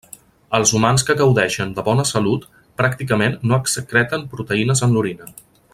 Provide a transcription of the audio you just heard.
Els humans que gaudeixen de bona salut pràcticament no excreten proteïnes en l'orina.